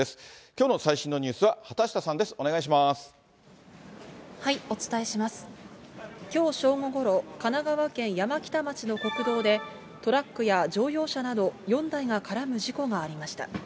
きょう正午ごろ、神奈川県山北町の国道で、トラックや乗用車など４台が絡む事故がありました。